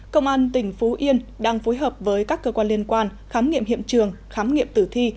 công an tỉnh phú yên đang phối hợp với các cơ quan liên quan khám nghiệm hiện trường khám nghiệm tử thi